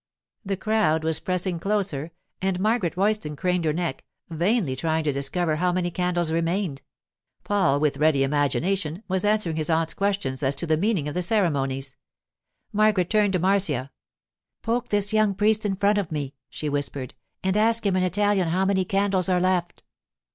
The crowd was pressing closer, and Margaret Royston craned her neck, vainly trying to discover how many candles remained. Paul, with ready imagination, was answering his aunt's questions as to the meaning of the ceremonies. Margaret turned to Marcia. 'Poke this young priest in front of me,' she whispered, and ask him in Italian how many candles are left.